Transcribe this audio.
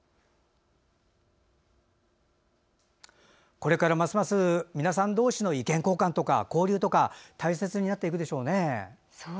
これからますます皆さん同士の意見交換とか交流とか大切になっていくでしょうね。